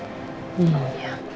aku kan udah tau